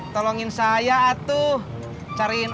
défufd nyingkir ke depan